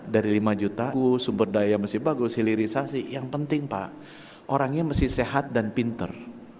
dari lima juta sumber daya mesti bagus hilirisasi yang penting pak orangnya mesti sehat dan pinter